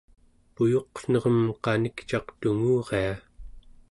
puyuqnerem qanikcaq tunguria